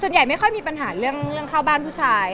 ใหญ่ไม่ค่อยมีปัญหาเรื่องเข้าบ้านผู้ชาย